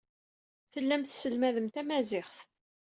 Tellam tesselmadem tamaziɣt.